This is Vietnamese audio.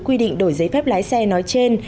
quy định đổi giấy phép lái xe nói trên